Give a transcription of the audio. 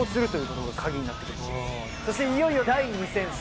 そしていよいよ第２戦